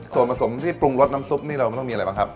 ส่วนผสมที่ปรุงรสน้ำซุปนี่เรามันต้องมีอะไรบ้างครับ